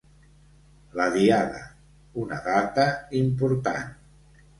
La Diada: ‘una data important’